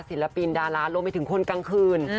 ศิลปินดารารวมไปถึงคนกลางคืน